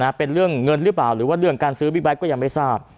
เป็นเรื่องเงินหรือเปล่าหรือว่าเรื่องการซื้อบิ๊กไบท์ก็ยังไม่ทราบ